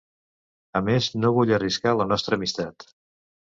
A més, no vull arriscar la nostra amistat...